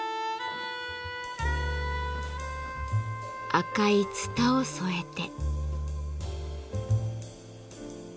赤いツタを添えて。